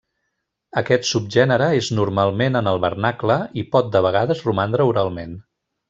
Aquest subgènere és normalment en el vernacle i pot de vegades romandre oralment.